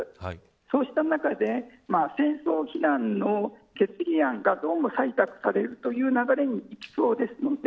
そうした中で戦闘非難の決議案が採択されるという流れにいきそうです。